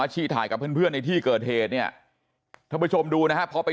อาชีถ่ายกับเพื่อนในที่เกิดเทศเนี่ยถ้าผู้ชมดูนะพอไป